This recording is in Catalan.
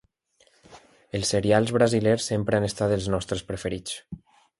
Els serials brasilers sempre han estat els nostres preferits.